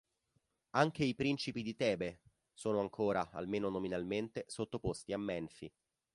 Anche i principi di Tebe sono ancora, almeno nominalmente, sottoposti a Menfi.